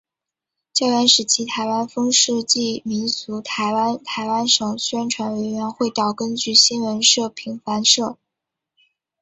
教员时期台湾风土记民俗台湾台湾省宣传委员会岛根新闻社平凡社